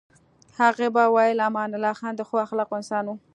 هغې به ویل امان الله خان د ښو اخلاقو انسان و.